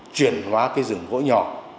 chuyển hóa cái rừng gỗ nhỏ